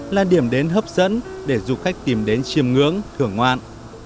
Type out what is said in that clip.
là điểm đến hấp dẫn để dù khách tìm đến chiêm ngưỡng thưởng ngoan